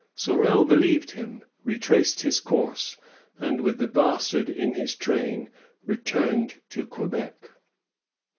Sorel believed him, retraced his course, and with the Bastard in his train returned to Quebec.